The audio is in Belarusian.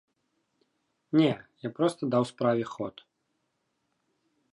Не, я проста даў справе ход.